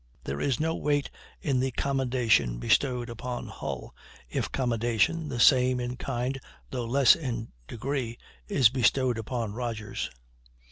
There is no weight in the commendation bestowed upon Hull, if commendation, the same in kind though less in degree, is bestowed upon Rodgers.